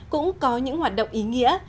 cũng có những hoạt động ý nghĩa